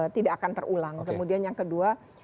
tidak akan terulang kemudian yang kedua